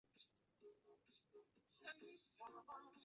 宣统二年工科进士。